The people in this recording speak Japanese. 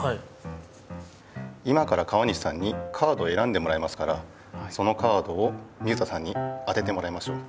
今から川西さんにカードをえらんでもらいますからそのカードを水田さんに当ててもらいましょう。